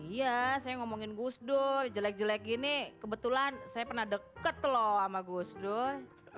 iya saya ngomongin gus dur jelek jelek gini kebetulan saya pernah deket loh sama gus dur